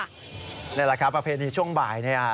นี่แหละครับประเพณีช่วงบ่ายเนี่ย